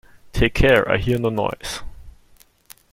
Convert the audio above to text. Take care I hear no noise.